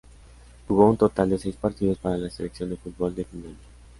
Jugó un total de seis partidos para la selección de fútbol de Finlandia.